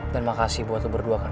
dan makasih buat lo berdua kan